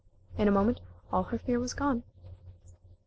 In a moment all her fear was gone.